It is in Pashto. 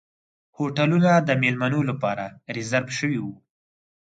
هوټلونه د میلمنو لپاره ریزرف شوي وو.